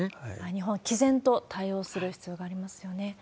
日本はきぜんと対応する必要がありますよね。